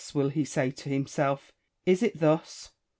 " will he say to himself, " is it thus